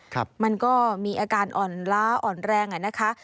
ครับมันก็มีอาการอ่อนล้าอ่อนแรงอ่ะนะคะ